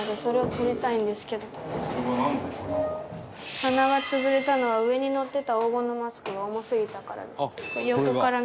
鼻が潰れたのは上にのってた黄金のマスクが重すぎたからです。